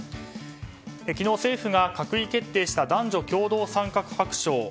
昨日政府が閣議決定した男女共同参画白書。